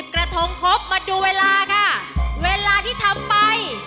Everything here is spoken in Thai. กระทงครบมาดูเวลาค่ะเวลาที่ทำไป